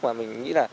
mà mình nghĩ là